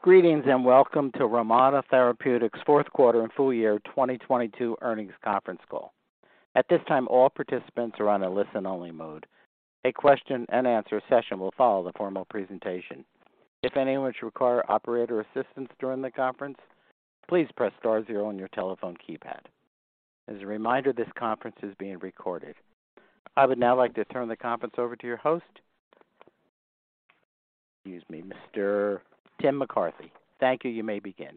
Greetings, welcome to Relmada Therapeutics' fourth quarter and full year 2022 earnings conference call. At this time, all participants are on a listen-only mode. A question and answer session will follow the formal presentation. If anyone should require operator assistance during the conference, please press star zero on your telephone keypad. As a reminder, this conference is being recorded. I would now like to turn the conference over to your host. Excuse me, Mr. Tim McCarthy. Thank you. You may begin.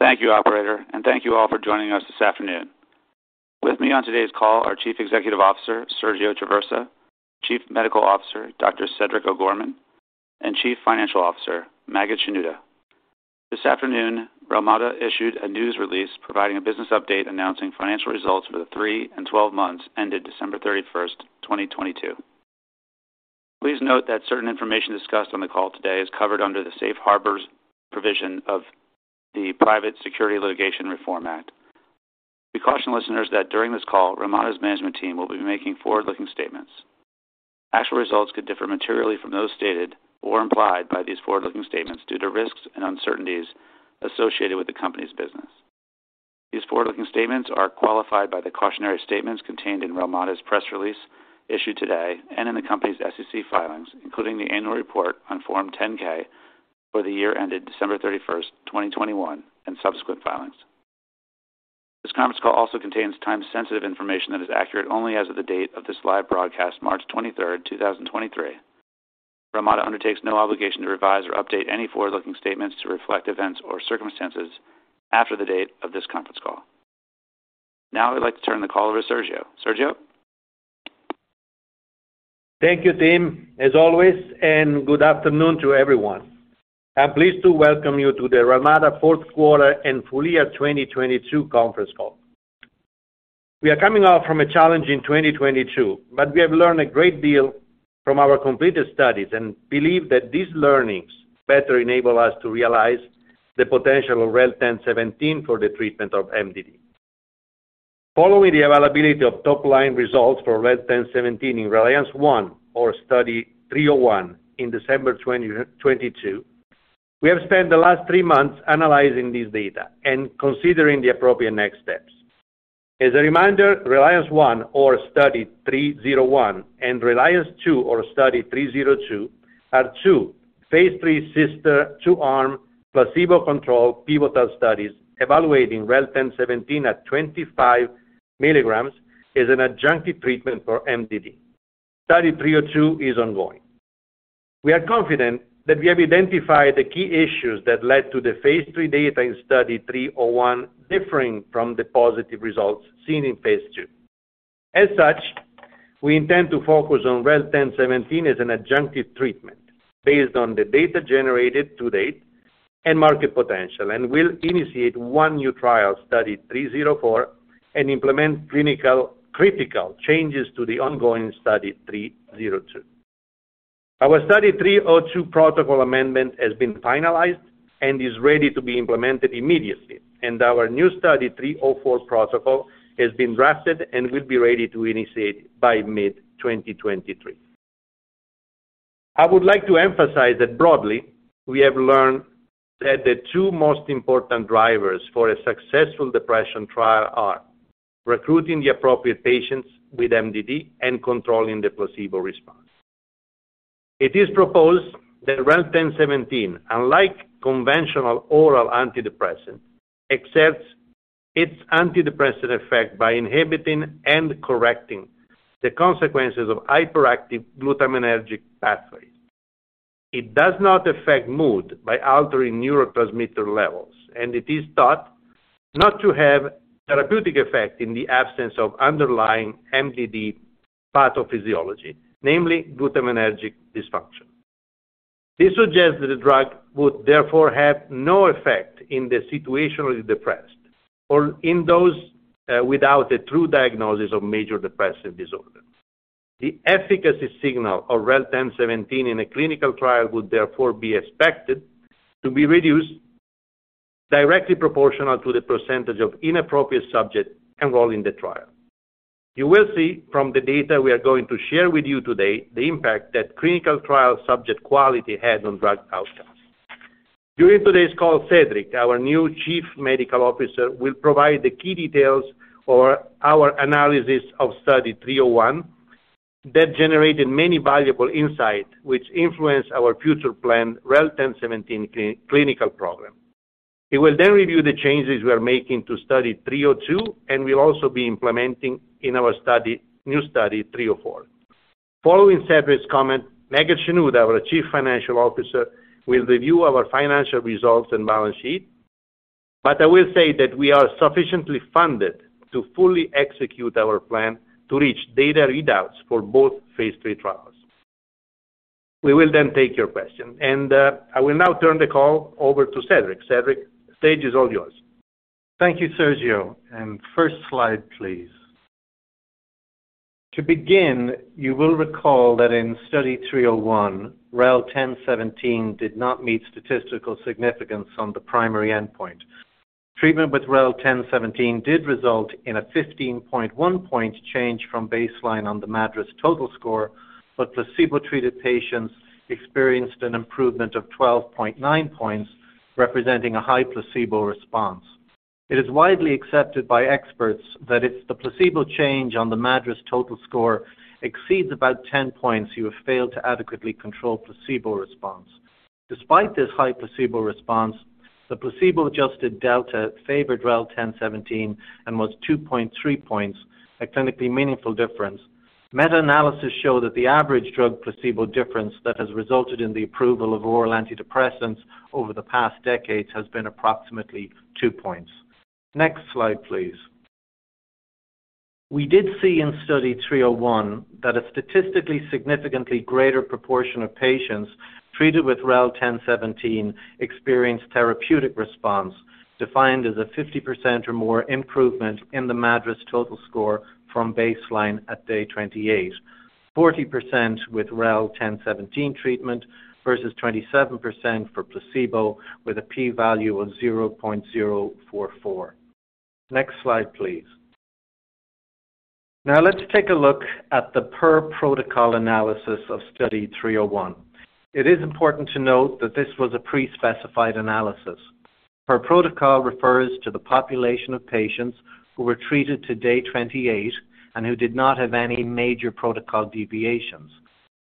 Thank you, operator, and thank you all for joining us this afternoon. With me on today's call are Chief Executive Officer Sergio Traversa, Chief Medical Officer Dr. Cedric O'Gorman and Chief Financial Officer Maged Shenouda. This afternoon, Relmada issued a news release providing a business update announcing financial results for the three and 12 months ended 31 December 2022. Please note that certain information discussed on the call today is covered under the safe harbors provision of the Private Securities Litigation Reform Act. We caution listeners that during this call, Relmada's management team will be making forward-looking statements. Actual results could differ materially from those stated or implied by these forward-looking statements due to risks and uncertainties associated with the company's business. These forward-looking statements are qualified by the cautionary statements contained in Relmada's press release issued today and in the company's SEC filings, including the annual report on Form 10-K for the year ended 31 December 2021 and subsequent filings. This conference call also contains time-sensitive information that is accurate only as of the date of this live broadcast 23 March 2023. Relmada undertakes no obligation to revise or update any forward-looking statements to reflect events or circumstances after the date of this conference call. Now I'd like to turn the call over to Sergio. Sergio. Thank you, Tim, as always. Good afternoon to everyone. I'm pleased to welcome you to the Relmada fourth quarter and full year 2022 conference call. We are coming off from a challenging 2022, but we have learned a great deal from our completed studies and believe that these learnings better enable us to realize the potential of REL-1017 for the treatment of MDD. Following the availability of top-line results for REL-1017 in RELIANCE I or Study 301 in December 2022, we have spent the last three months analyzing this data and considering the appropriate next steps. As a reminder, RELIANCE I or Study 301 and RELIANCE II or Study 302 are two phase III sister two-arm placebo-controlled pivotal studies evaluating REL-1017 at 25 milligrams as an adjunctive treatment for MDD. Study 302 is ongoing. We are confident that we have identified the key issues that led to the phase III data in Study 301 differing from the positive results seen in phase II. As such, we intend to focus on REL-1017 as an adjunctive treatment based on the data generated to date and market potential and will initiate one new trial, Study 304, and implement clinical critical changes to the ongoing Study 302. Our Study 302 protocol amendment has been finalized and is ready to be implemented immediately, and our new Study 304 protocol has been drafted and will be ready to initiate by mid-2023. I would like to emphasize that broadly, we have learned that the two most important drivers for a successful depression trial are recruiting the appropriate patients with MDD and controlling the placebo response. It is proposed that REL-1017, unlike conventional oral antidepressants, accepts its antidepressant effect by inhibiting and correcting the consequences of hyperactive glutamatergic pathways. It does not affect mood by altering neurotransmitter levels, and it is thought not to have therapeutic effect in the absence of underlying MDD pathophysiology, namely glutamatergic dysfunction. This suggests that the drug would therefore have no effect in the situationally depressed or in those without a true diagnosis of major depressive disorder. The efficacy signal of REL-1017 in a clinical trial would therefore be expected to be reduced directly proportional to the percentage of inappropriate subjects enrolled in the trial. You will see from the data we are going to share with you today the impact that clinical trial subject quality has on drug outcomes. During today's call, Cedric, our new Chief Medical Officer, will provide the key details for our analysis of Study 301 that generated many valuable insights which influence our future plan REL-1017 clinical program. He will then review the changes we are making to Study 302 and we'll also be implementing in our new Study 304. Following Cedric's comment, Maged Shenouda our Chief Financial Officer will review our financial results and balance sheet but I will say that we are sufficiently funded to fully execute our plan to reach data readouts for both phase III trials. We will then take your question. I will now turn the call over to Cedric. Cedric, stage is all yours. Thank you, Sergio. First slide, please. To begin, you will recall that in Study 301, REL-1017 did not meet statistical significance on the primary endpoint. Treatment with REL-1017 did result in a 15.1 point change from baseline on the MADRS total score, but placebo-treated patients experienced an improvement of 12.9 points, representing a high placebo response. It is widely accepted by experts that if the placebo change on the MADRS total score exceeds about 10 points, you have failed to adequately control placebo response. Despite this high placebo response, the placebo-adjusted delta favored REL-1017 and was 2.3 points, a clinically meaningful difference. Meta-analysis show that the average drug placebo difference that has resulted in the approval of oral antidepressants over the past decades has been approximately 2 points. Next slide, please. We did see in Study 301 that a statistically significantly greater proportion of patients treated with REL-1017 experienced therapeutic response, defined as a 50% or more improvement in the MADRS total score from baseline at day 28. 40% with REL-1017 treatment versus 27% for placebo with a P value of 0.044. Next slide, please. Let's take a look at the per protocol analysis of Study 301. It is important to note that this was a pre-specified analysis. Per protocol refers to the population of patients who were treated to day 28 and who did not have any major protocol deviations.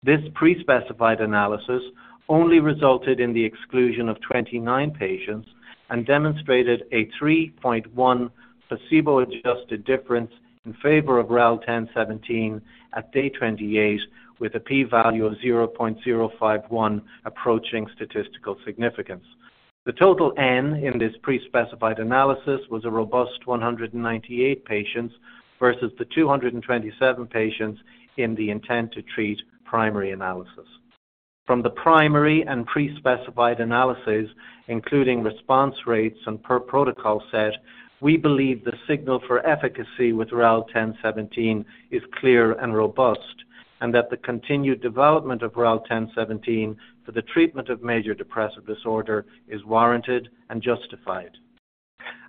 This pre-specified analysis only resulted in the exclusion of 29 patients and demonstrated a 3.1 placebo-adjusted difference in favor of REL-1017 at day 28 with a P value of 0.051 approaching statistical significance. The total N in this pre-specified analysis was a robust 198 patients versus the 227 patients in the intent to treat primary analysis. From the primary and pre-specified analysis, including response rates and per protocol set, we believe the signal for efficacy with REL-1017 is clear and robust and that the continued development of REL-1017 for the treatment of major depressive disorder is warranted and justified.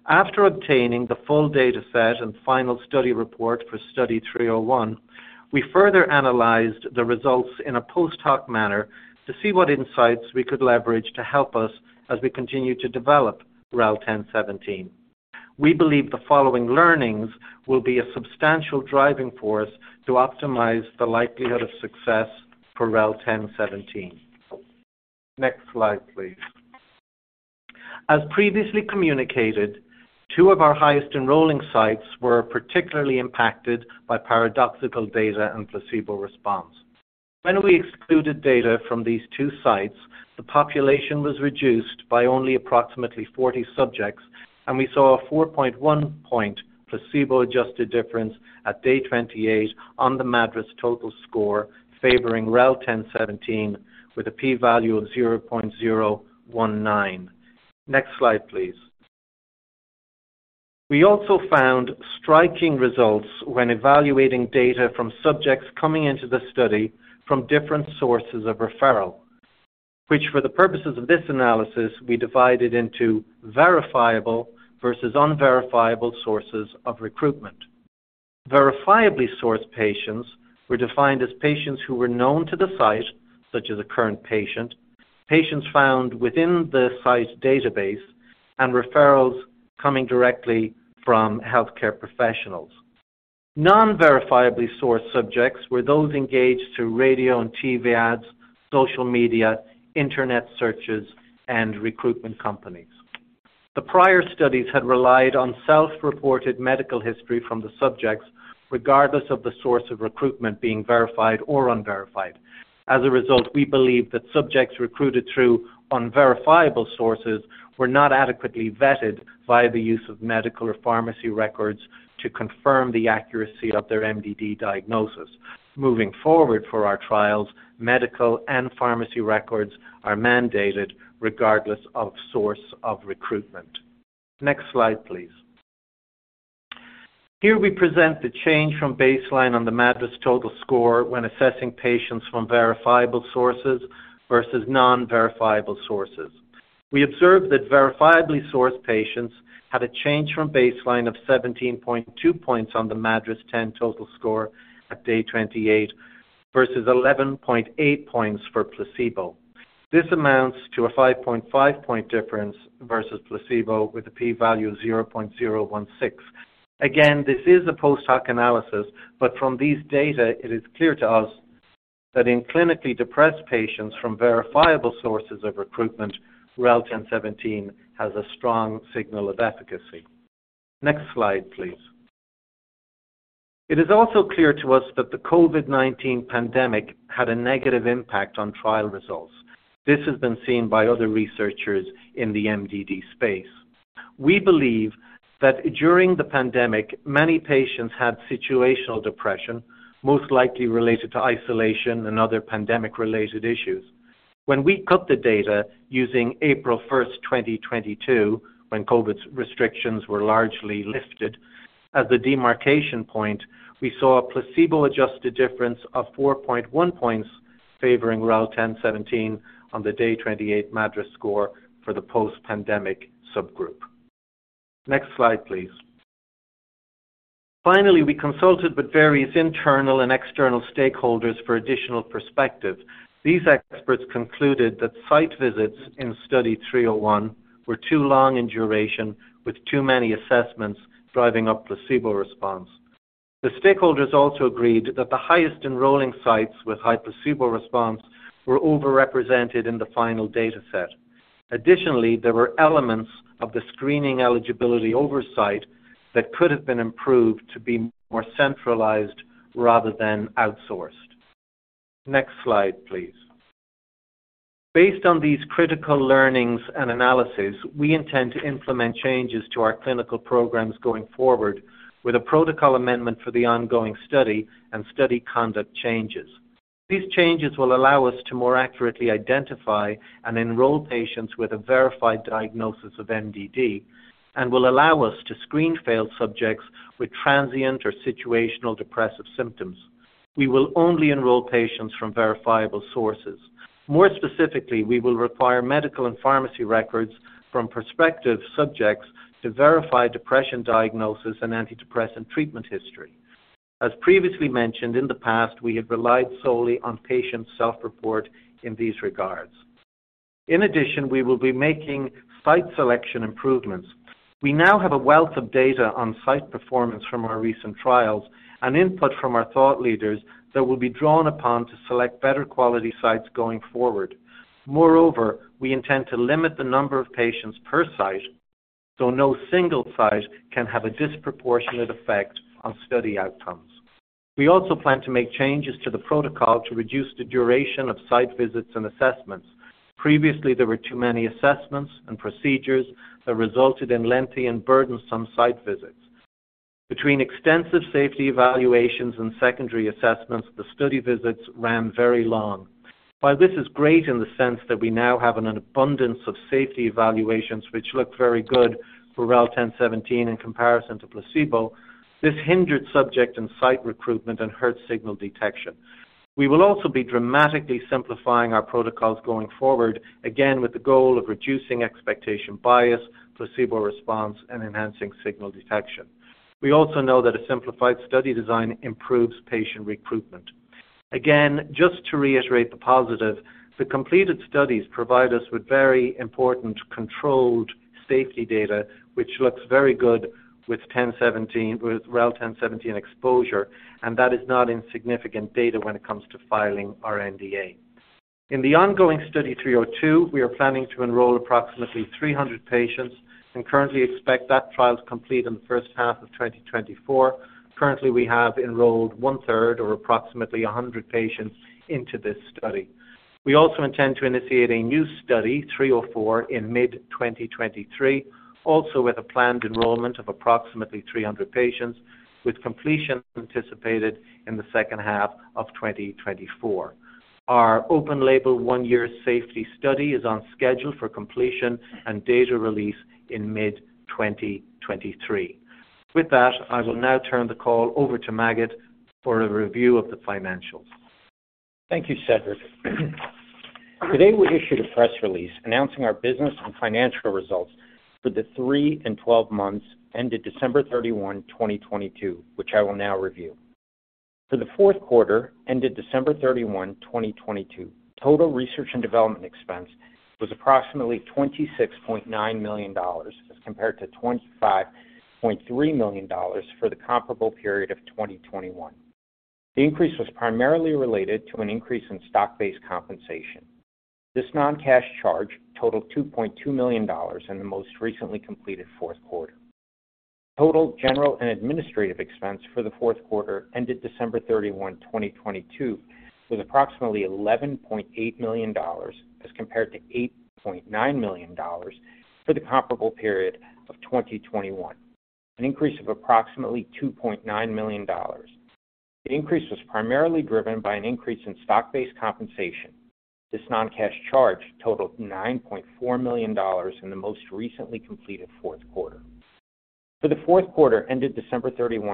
After obtaining the full data set and final study report for Study 301, we further analyzed the results in a post-hoc manner to see what insights we could leverage to help us as we continue to develop REL-1017. We believe the following learnings will be a substantial driving force to optimize the likelihood of success for REL-1017. Next slide, please. As previously communicated, two of our highest enrolling sites were particularly impacted by paradoxical data and placebo response. When we excluded data from these two sites, the population was reduced by only approximately 40 subjects, and we saw a 4.1 point placebo-adjusted difference at day 28 on the MADRS total score favoring REL-1017 with a P value of 0.019. Next slide, please. We also found striking results when evaluating data from subjects coming into the study from different sources of referral, which for the purposes of this analysis, we divided into verifiable versus unverifiable sources of recruitment. Verifiably sourced patients were defined as patients who were known to the site, such as a current patient. Patients found within the site's database and referrals coming directly from healthcare professionals. Non-verifiably sourced subjects were those engaged through radio and TV ads, social media, internet searches, and recruitment companies. The prior studies had relied on self-reported medical history from the subjects, regardless of the source of recruitment being verified or unverified. As a result, we believe that subjects recruited through unverifiable sources were not adequately vetted via the use of medical or pharmacy records to confirm the accuracy of their MDD diagnosis. Moving forward for our trials, medical and pharmacy records are mandated regardless of source of recruitment. Next slide, please. Here we present the change from baseline on the MADRS total score when assessing patients from verifiable sources versus non-verifiable sources. We observed that verifiably sourced patients had a change from baseline of 17.2 points on the MADRS10 total score at day 28 versus 11.8 points for placebo. This amounts to a 5.5 point difference versus placebo with a P value of 0.016. This is a post-hoc analysis, but from these data it is clear to us that in clinically depressed patients from verifiable sources of recruitment, REL-1017 has a strong signal of efficacy. Next slide, please. It is also clear to us that the COVID-19 pandemic had a negative impact on trial results. This has been seen by other researchers in the MDD space. We believe that during the pandemic, many patients had situational depression, most likely related to isolation and other pandemic-related issues. When we cut the data using 1 April 2022, when COVID restrictions were largely lifted as a demarcation point, we saw a placebo-adjusted difference of 4.1 points favoring REL-1017 on the day 28 MADRS score for the post-pandemic subgroup. Next slide, please. Finally, we consulted with various internal and external stakeholders for additional perspective. These experts concluded that site visits in Study 301 were too long in duration with too many assessments driving up placebo response. The stakeholders also agreed that the highest enrolling sites with high placebo response were over-represented in the final data set. Additionally, there were elements of the screening eligibility oversight that could have been improved to be more centralized rather than outsourced. Next slide, please. Based on these critical learnings and analysis, we intend to implement changes to our clinical programs going forward with a protocol amendment for the ongoing study and study conduct changes. These changes will allow us to more accurately identify and enroll patients with a verified diagnosis of MDD and will allow us to screen failed subjects with transient or situational depressive symptoms. We will only enroll patients from verifiable sources. More specifically, we will require medical and pharmacy records from prospective subjects to verify depression diagnosis and antidepressant treatment history. As previously mentioned, in the past, we have relied solely on patient self-report in these regards. In addition, we will be making site selection improvements. We now have a wealth of data on site performance from our recent trials and input from our thought leaders that will be drawn upon to select better quality sites going forward. We intend to limit the number of patients per site so no single site can have a disproportionate effect on study outcomes. We also plan to make changes to the protocol to reduce the duration of site visits and assessments. Previously, there were too many assessments and procedures that resulted in lengthy and burdensome site visits. Between extensive safety evaluations and secondary assessments, the study visits ran very long. This is great in the sense that we now have an abundance of safety evaluations which look very good for REL-1017 in comparison to placebo, this hindered subject and site recruitment and hurt signal detection. We will also be dramatically simplifying our protocols going forward, again, with the goal of reducing expectation bias, placebo response, and enhancing signal detection. We also know that a simplified study design improves patient recruitment. Just to reiterate the positive, the completed studies provide us with very important controlled safety data, which looks very good with REL-1017 exposure, and that is not insignificant data when it comes to filing our NDA. In the ongoing Study 302, we are planning to enroll approximately 300 patients and currently expect that trial to complete in the first half of 2024. Currently, we have enrolled one-third or approximately 100 patients into this study. We also intend to initiate a new Study 304 in mid-2023, also with a planned enrollment of approximately 300 patients with completion anticipated in the second half of 2024. Our open label one year safety study is on schedule for completion and data release in mid-2023. With that, I will now turn the call over to Maged for a review of the financials. Thank you, Cedric. Today, we issued a press release announcing our business and financial results for the three and twelve months ended 31 December 2022, which I will now review. For the fourth quarter, ended 31 December 2022, total research and development expense was approximately $26.9 million as compared to $25.3 million for the comparable period of 2021. The increase was primarily related to an increase in stock-based compensation. This non-cash charge totaled $2.2 million in the most recently completed fourth quarter. Total general and administrative expense for the fourth quarter ended 31 December 2022 was approximately $11.8 million as compared to $8.9 million for the comparable period of 2021. An increase of approximately $2.9 million. The increase was primarily driven by an increase in stock-based compensation. This non-cash charge totaled $9.4 million in the most recently completed fourth quarter. For the fourth quarter ended 31 December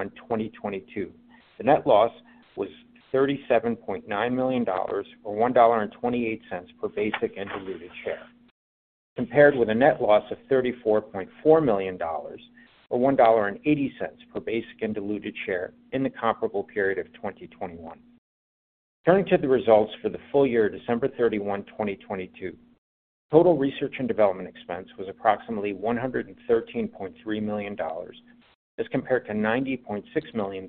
2022, the net loss was $37.9 million or $1.28 per basic and diluted share, compared with a net loss of $34.4 million or $1.80 per basic and diluted share in the comparable period of 2021. Turning to the results for the full year, 31 December 2022. Total research and development expense was approximately $113.3 million as compared to $90.6 million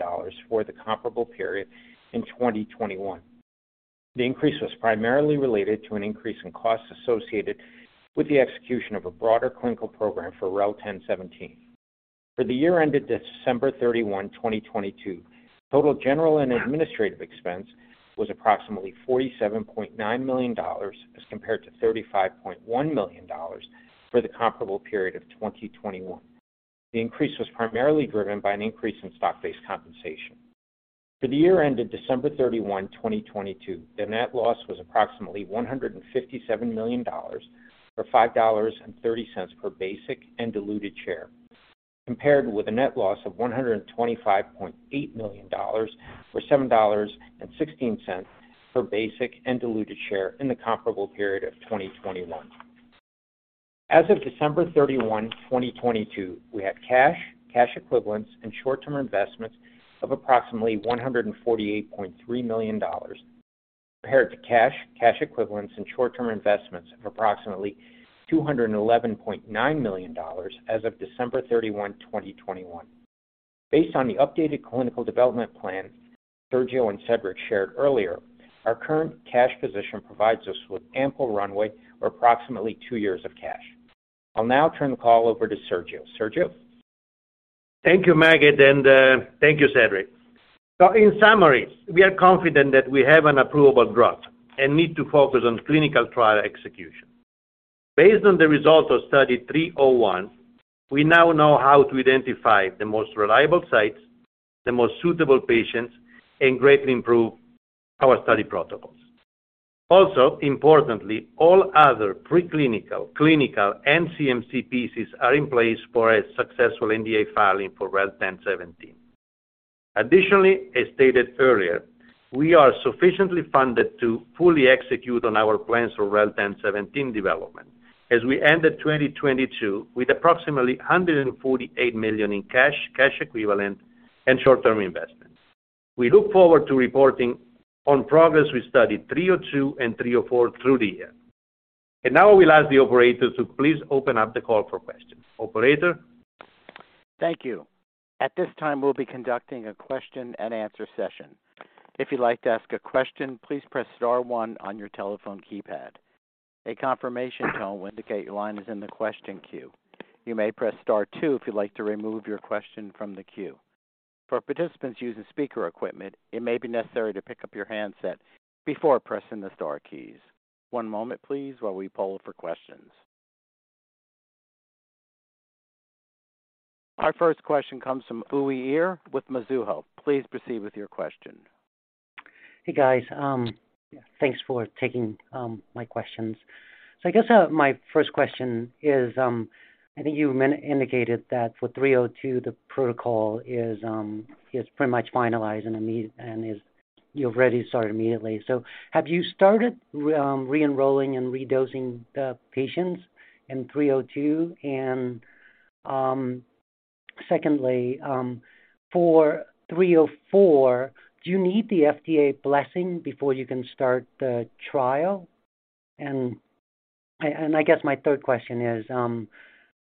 for the comparable period in 2021. The increase was primarily related to an increase in costs associated with the execution of a broader clinical program for REL-1017. For the year ended 31 December 2022, total general and administrative expense was approximately $47.9 million as compared to $35.1 million for the comparable period of 2021. The increase was primarily driven by an increase in stock-based compensation. For the year ended 31 December 2022, the net loss was approximately $157 million, or $5.30 per basic and diluted share. Compared with a net loss of $125.8 million, or $7.16 per basic and diluted share in the comparable period of 2021. As of 31 December 2022, we had cash equivalents and short-term investments of approximately $148.3 million, compared to cash equivalents, and short-term investments of approximately $211.9 million as of 31 December 2021. Based on the updated clinical development plan Sergio and Cedric shared earlier, our current cash position provides us with ample runway for approximately two years of cash. I'll now turn the call over to Sergio. Sergio? Thank you, Maged, and thank you, Cedric. In summary, we are confident that we have an approvable drug and need to focus on clinical trial execution. Based on the results of Study 301, we now know how to identify the most reliable sites, the most suitable patients, and greatly improve our study protocols. Importantly, all other preclinical, clinical, and CMC pieces are in place for a successful NDA filing for REL-1017. As stated earlier, we are sufficiently funded to fully execute on our plans for REL-1017 development as we ended 2022 with approximately $148 million in cash equivalent, and short-term investments. We look forward to reporting on progress with Study 302 and Study 304 through the year. Now I will ask the operator to please open up the call for questions. Operator? Thank you. At this time, we'll be conducting a question and answer session. If you'd like to ask a question, please press star one on your telephone keypad. A confirmation tone will indicate your line is in the question queue. You may press star two if you'd like to remove your question from the queue. For participants using speaker equipment, it may be necessary to pick up your handset before pressing the star keys. One moment please, while we poll for questions. Our first question comes from Uy Ear with Mizuho. Please proceed with your question. Hey, guys. Thanks for taking my questions. I guess my first question is, I think you indicated that for Study 302 the protocol is pretty much finalized and you already started immediately. Have you started re-enrolling and redosing the patients in Study 302? Secondly, for Study 304, do you need the FDA blessing before you can start the trial? I guess my third question is on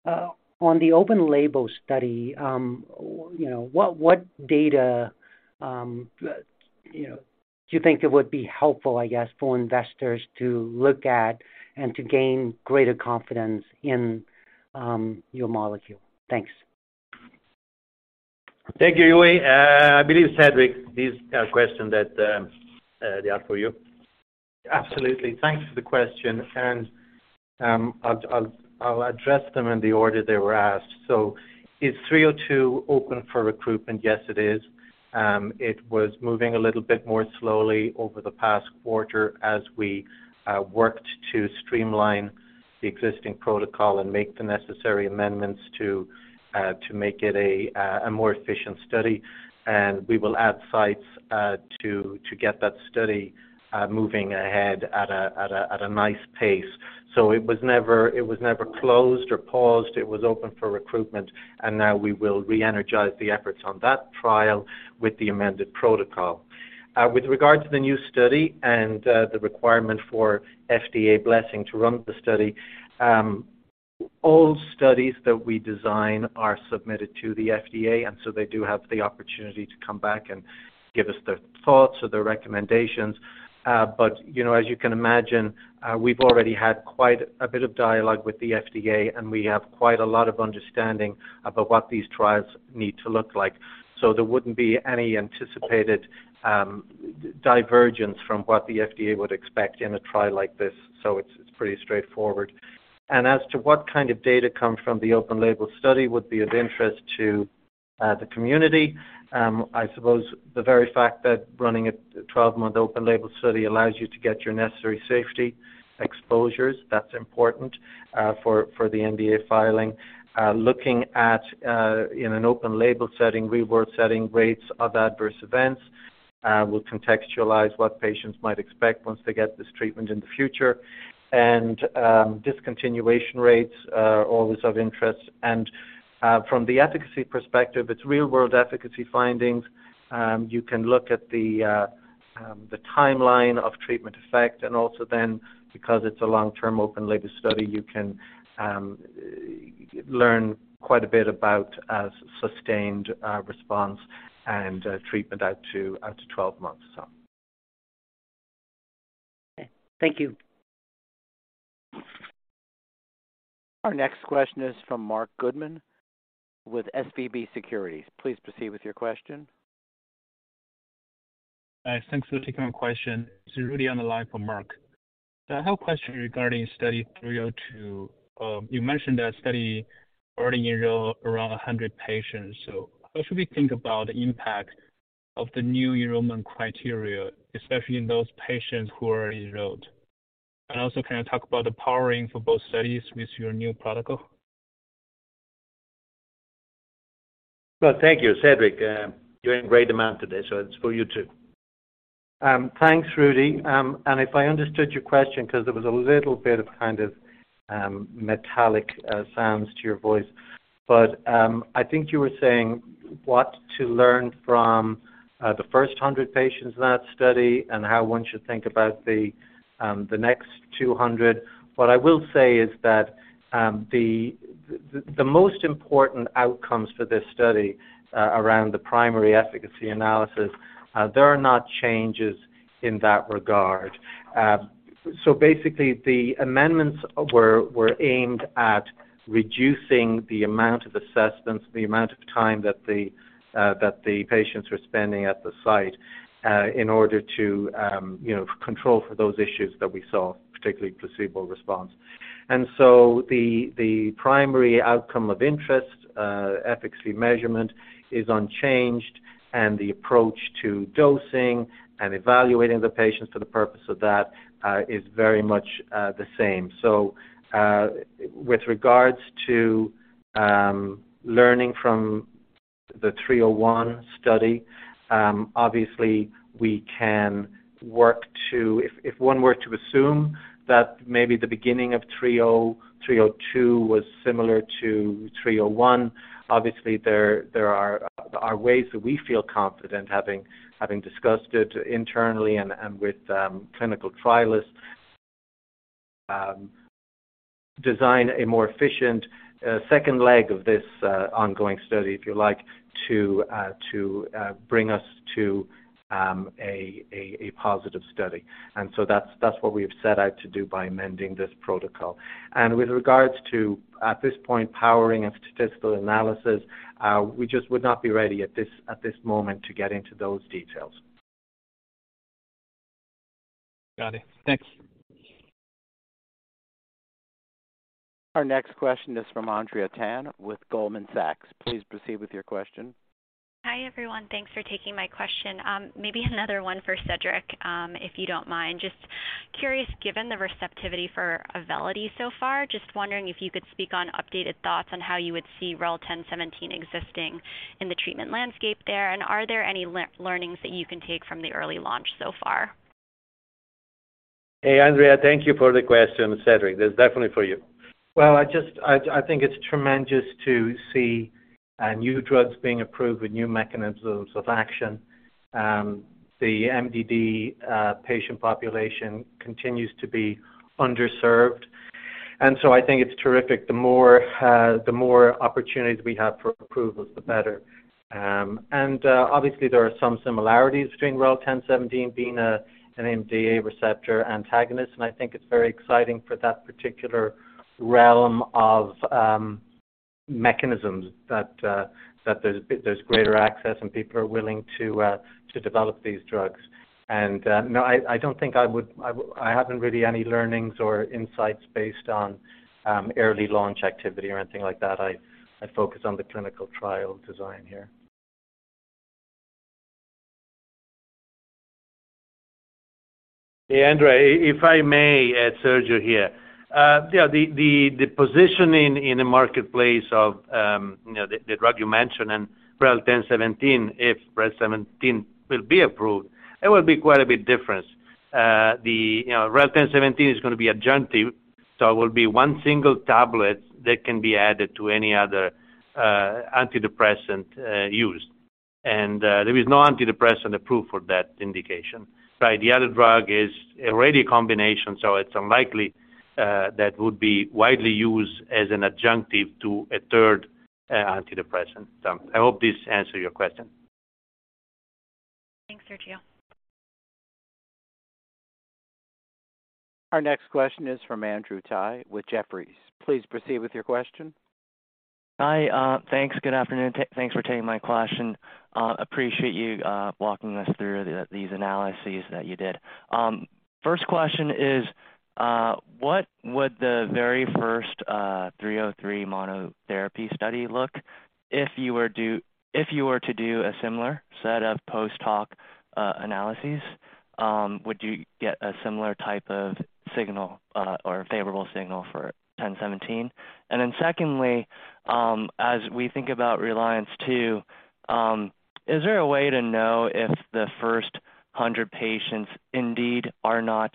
the open label study, you know, what data, you know, do you think it would be helpful, I guess, for investors to look at and to gain greater confidence in your molecule? Thanks. Thank you, Uy. I believe Cedric, these are questions that they are for you. Absolutely. Thanks for the question. I'll address them in the order they were asked. Is 302 open for recruitment? Yes, it is. It was moving a little bit more slowly over the past quarter as we worked to streamline the existing protocol and make the necessary amendments to make it a more efficient study. We will add sites to get that study moving ahead at a nice pace. It was never closed or paused. It was open for recruitment, and now we will re-energize the efforts on that trial with the amended protocol. With regard to the new study and the requirement for FDA blessing to run the study, all studies that we design are submitted to the FDA. They do have the opportunity to come back and give us their thoughts or their recommendations. You know, as you can imagine, we've already had quite a bit of dialogue with the FDA, and we have quite a lot of understanding about what these trials need to look like. There wouldn't be any anticipated divergence from what the FDA would expect in a trial like this, so it's pretty straightforward. As to what kind of data come from the open label study would be of interest to the community, I suppose the very fact that running a 12-month open label study allows you to get your necessary safety exposures, that's important for the NDA filing. Looking at in an open label setting, real-world setting rates of adverse events, will contextualize what patients might expect once they get this treatment in the future. Discontinuation rates are always of interest. From the efficacy perspective, it's real-world efficacy findings. You can look at the timeline of treatment effect and also then, because it's a long-term open label study, you can learn quite a bit about a sustained response and treatment out to 12 months. Okay. Thank you. Our next question is from Marc Goodman with SVB Securities. Please proceed with your question. Thanks for taking my question. It's Rudy on the line for Mark. I have a question regarding Study 302. You mentioned that Study already enroll around 100 patients, how should we think about the impact of the new enrollment criteria, especially in those patients who are enrolled? Can you talk about the powering for both studies with your new protocol? Well, thank you, Cedric. You're in great demand today, so it's for you too. Thanks, Rudy. If I understood your question, 'cause there was a little bit of kind of, metallic, sounds to your voice. I think you were saying what to learn from the first 100 patients in that study and how one should think about the next 200. What I will say is that the most important outcomes for this study, around the primary efficacy analysis, there are not changes in that regard. Basically, the amendments were aimed at reducing the amount of assessments, the amount of time that the patients were spending at the site, in order to, you know, control for those issues that we saw, particularly placebo response. The primary outcome of interest, efficacy measurement is unchanged, and the approach to dosing and evaluating the patients for the purpose of that is very much the same. With regards to learning from the Study 301, obviously we can if one were to assume that maybe the beginning of Study 302 was similar to 301, obviously there are ways that we feel confident having discussed it internally and with clinical trialists design a more efficient second leg of this ongoing study, if you like, to bring us to a positive study. That's what we've set out to do by amending this protocol. With regards to, at this point, powering and statistical analysis, we just would not be ready at this moment to get into those details. Got it. Thanks. Our next question is from Andrea Tan with Goldman Sachs. Please proceed with your question. Hi, everyone. Thanks for taking my question. Maybe another one for Cedric, if you don't mind. Just curious, given the receptivity for Auvelity so far, just wondering if you could speak on updated thoughts on how you would see REL-1017 existing in the treatment landscape there. Are there any learnings that you can take from the early launch so far? Hey, Andrea, thank you for the question. Cedric, that's definitely for you. I think it's tremendous to see new drugs being approved with new mechanisms of action. The MDD patient population continues to be underserved. I think it's terrific. The more opportunities we have for approvals, the better. Obviously, there are some similarities between REL-1017 being a, an NMDA receptor antagonist, and I think it's very exciting for that particular realm of mechanisms that there's greater access and people are willing to develop these drugs. No, I don't think I would. I haven't really any learnings or insights based on early launch activity or anything like that. I focus on the clinical trial design here. Hey, Andrea. If I may add Sergio here. Yeah, the positioning in the marketplace of, you know, the drug you mentioned and REL-1017, if REL-1017 will be approved, it will be quite a bit different. The, you know, REL-1017 is gonna be adjunctive, so it will be one single tablet that can be added to any other antidepressant used. There is no antidepressant approved for that indication. The other drug is already a combination, it's unlikely that would be widely used as an adjunctive to a third antidepressant. I hope this answer your question. Thanks, Sergio. Our next question is from Andrew Tsai with Jefferies. Please proceed with your question. Hi. Thanks. Good afternoon. Thanks for taking my question. Appreciate you walking us through these analyses that you did. First question is, what would the very first 303 monotherapy study look? If you were to do a similar set of post hoc analyses, would you get a similar type of signal or favorable signal for 1017? Secondly, as we think about RELIANCE II, is there a way to know if the first 100 patients indeed are not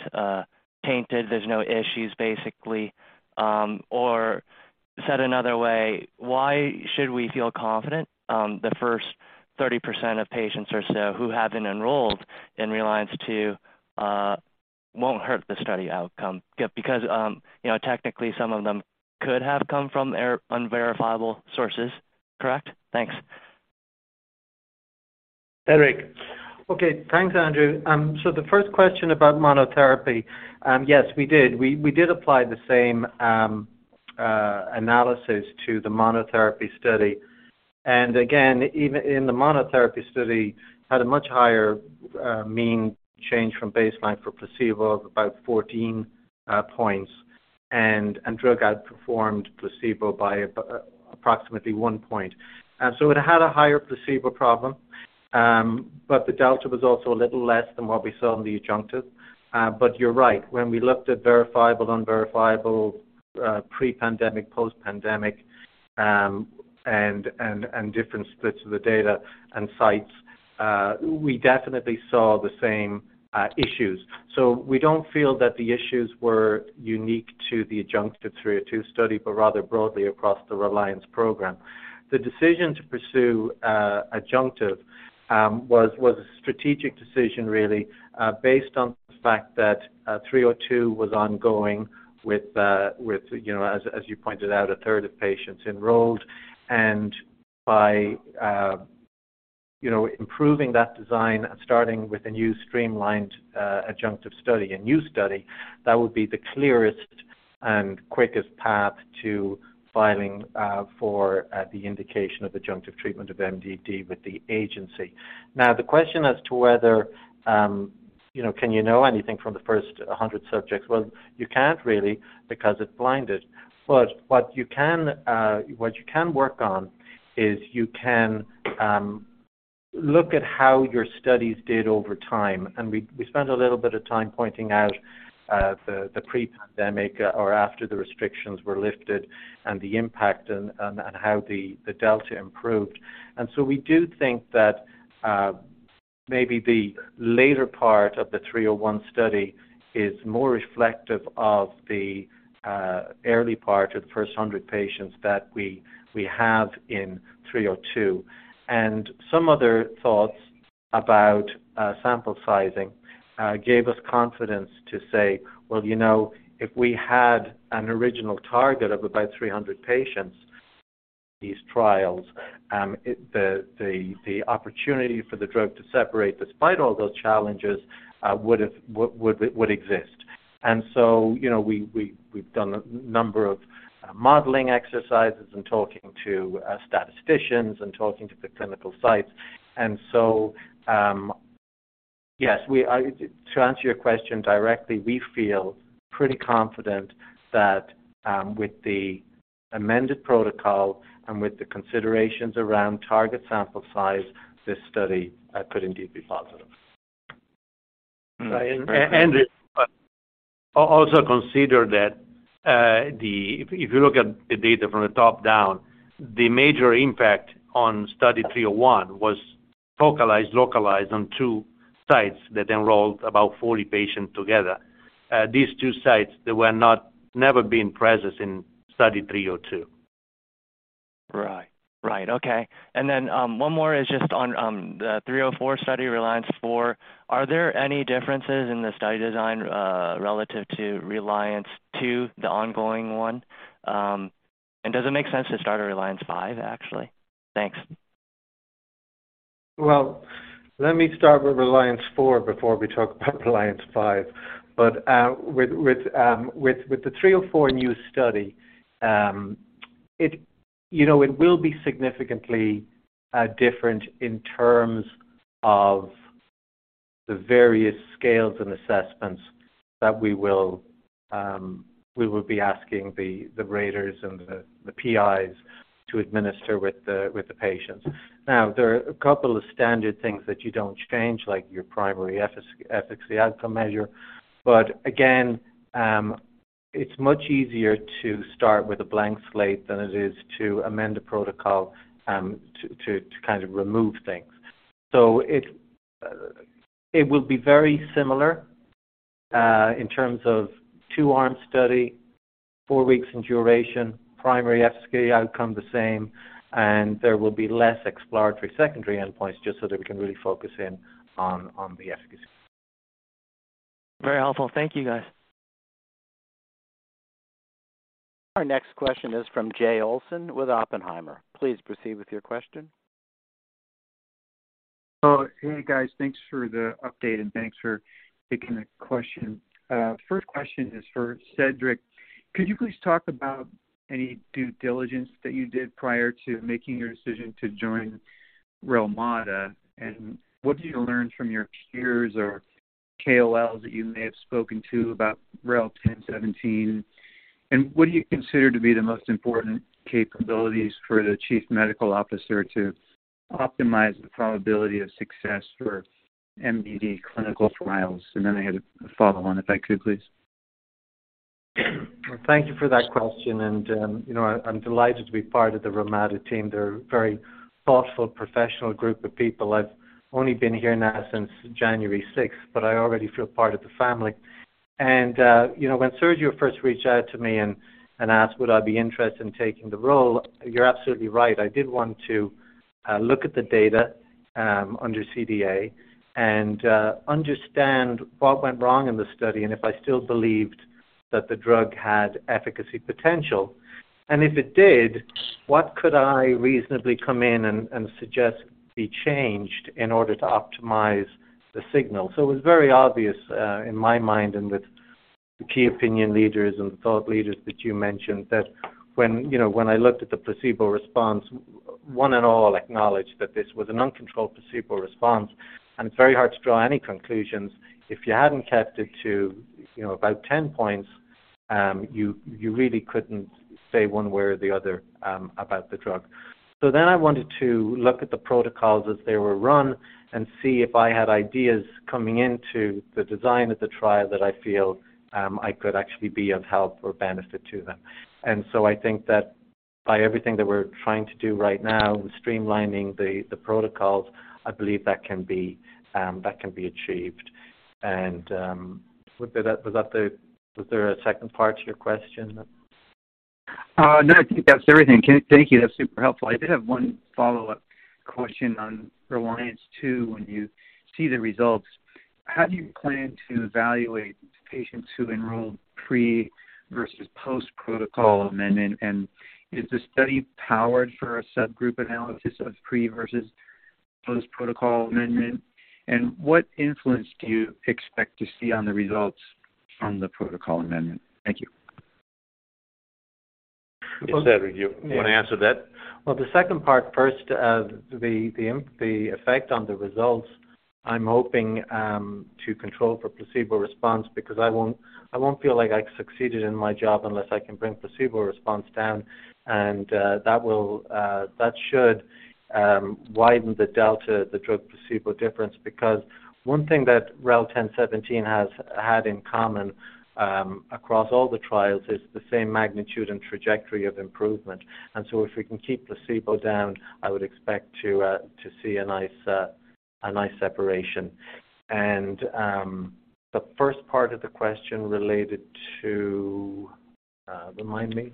tainted, there's no issues basically? Or said another way, why should we feel confident the first 30% of patients or so who have been enrolled in RELIANCE II, won't hurt the study outcome? You know, technically some of them could have come from, unverifiable sources, correct? Thanks. Cedric. Okay. Thanks, Andrew. The first question about monotherapy, yes, we did. We did apply the same analysis to the monotherapy study. Again, even in the monotherapy study, had a much higher mean change from baseline for placebo of about 14 points. Drug outperformed placebo by approximately 1 point. It had a higher placebo problem, but the delta was also a little less than what we saw in the adjunctive. You're right. When we looked at verifiable, unverifiable, pre-pandemic, post-pandemic, and different splits of the data and sites, we definitely saw the same issues. We don't feel that the issues were unique to the adjunctive Study 302, but rather broadly across the RELIANCE program. The decision to pursue adjunctive was a strategic decision really, based on the fact that 302 was ongoing with, you know, as you pointed out, a third of patients enrolled. By, you know, improving that design and starting with a new streamlined adjunctive study and new study, that would be the clearest and quickest path to filing for the indication of adjunctive treatment of MDD with the agency. Now, the question as to whether, you know, can you know anything from the first 100 subjects? Well, you can't really because it's blinded. What you can, what you can work on is you can look at how your studies did over time. We spent a little bit of time pointing out the pre-pandemic or after the restrictions were lifted and the impact and how the delta improved. We do think that maybe the later part of Study 301 is more reflective of the early part of the first 100 patients that we have in Study 302. Some other thoughts about sample sizing gave us confidence to say, "Well, you know, if we had an original target of about 300 patients these trials, the opportunity for the drug to separate despite all those challenges, would exist. You know, we've done a number of modeling exercises and talking to statisticians and talking to the clinical sites. Yes, to answer your question directly, we feel pretty confident that with the amended protocol and with the considerations around target sample size, this study could indeed be positive. Right. Consider that, if you look at the data from the top down, the major impact on Study 301 was localized on two sites that enrolled about 40 patients together. These two sites that were not never been present in Study 302. Right. Right. Okay. One more is just on the Study 304 RELIANCE IV. Are there any differences in the study design relative to RELIANCE II, the ongoing one? Does it make sense to start a RELIANCE five, actually? Thanks. Well, let me start with RELIANCE four before we talk about RELIANCE five. With the 304 new study, you know, it will be significantly different in terms of the various scales and assessments that we will be asking the raters and the PIs to administer with the patients. Now, there are a couple of standard things that you don't change, like your primary efficacy outcome measure. Again, it's much easier to start with a blank slate than it is to amend a protocol to kind of remove things. It will be very similar, in terms of 2-arm study, four weeks in duration, primary efficacy outcome the same, and there will be less exploratory secondary endpoints just so that we can really focus in on the efficacy. Very helpful. Thank you, guys. Our next question is from Jay Olson with Oppenheimer. Please proceed with your question. Oh, hey, guys. Thanks for the update, thanks for taking the question. First question is for Cedric. Could you please talk about any due diligence that you did prior to making your decision to join Relmada? What did you learn from your peers or KOLs that you may have spoken to about REL-1017? What do you consider to be the most important capabilities for the Chief Medical Officer to optimize the probability of success for MDD clinical trials? I had a follow on if I could please. Well, thank you for that question. You know, I'm delighted to be part of the Relmada team. They're a very thoughtful, professional group of people. I've only been here now since January 6th, but I already feel part of the family. You know, when Sergio first reached out to me and asked would I be interested in taking the role, you're absolutely right. I did want to look at the data under CDA and understand what went wrong in the study and if I still believed that the drug had efficacy potential. If it did, what could I reasonably come in and suggest be changed in order to optimize the signal? It was very obvious, in my mind and with the key opinion leaders and thought leaders that you mentioned, that when, you know, when I looked at the placebo response, and one and all acknowledged that this was an uncontrolled placebo response, and it's very hard to draw any conclusions. If you hadn't kept it to, you know, about 10 points, you really couldn't say one way or the other about the drug. I wanted to look at the protocols as they were run and see if I had ideas coming into the design of the trial that I feel I could actually be of help or benefit to them. I think that by everything that we're trying to do right now with streamlining the protocols, I believe that can be that can be achieved. Was there a second part to your question? No, I think that's everything. Thank you. That's super helpful. I did have one follow-up question on RELIANCE II. When you see the results, how do you plan to evaluate patients who enroll pre versus post protocol amendment? Is the study powered for a subgroup analysis of pre versus post protocol amendment? What influence do you expect to see on the results from the protocol amendment? Thank you. Cedric, do you wanna answer that? Well, the second part first. The effect on the results, I'm hoping to control for placebo response because I won't feel like I succeeded in my job unless I can bring placebo response down. That will that should widen the delta, the drug placebo difference. Because one thing that REL-1017 has had in common across all the trials is the same magnitude and trajectory of improvement. If we can keep placebo down, I would expect to see a nice, a nice separation. The first part of the question related to remind me.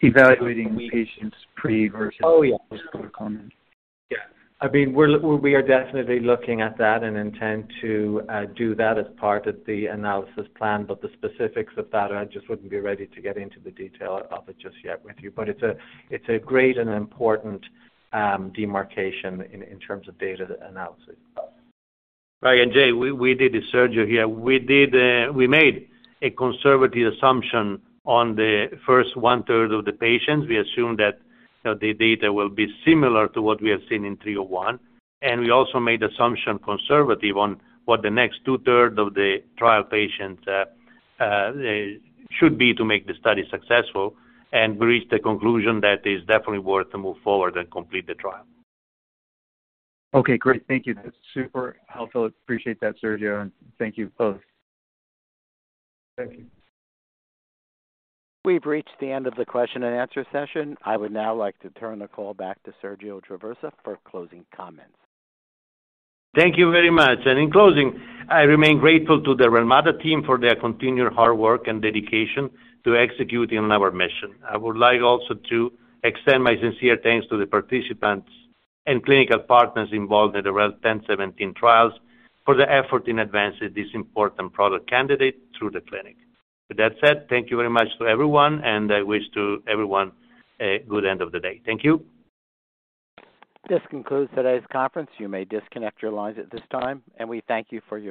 Evaluating patients pre versus post protocol amendment. Yeah. I mean, we are definitely looking at that and intend to do that as part of the analysis plan. The specifics of that, I just wouldn't be ready to get into the detail of it just yet with you. It's a, it's a great and important demarcation in terms of data analysis. Right. Jay, we did it, Sergio here. We did, we made a conservative assumption on the first one-third of the patients. We assume that the data will be similar to what we have seen in Study 301. We also made assumption conservative on what the next two-third of the trial patients should be to make the study successful and reached the conclusion that is definitely worth to move forward and complete the trial. Okay, great. Thank you. That's super helpful. Appreciate that, Sergio, and thank you both. Thank you. We've reached the end of the question and answer session. I would now like to turn the call back to Sergio Traversa for closing comments. Thank you very much. In closing, I remain grateful to the Relmada team for their continued hard work and dedication to executing on our mission. I would like also to extend my sincere thanks to the participants and clinical partners involved in the REL-1017 trials for their effort in advancing this important product candidate through the clinic. That said, thank you very much to everyone and I wish to everyone a good end of the day. Thank you. This concludes today's conference. You may disconnect your lines at this time, and we thank you for your participation.